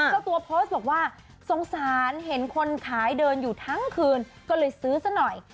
เจ้าตัวโพสต์บอกว่าสงสารเห็นคนขายเดินอยู่ทั้งคืนก็เลยซื้อซะหน่อย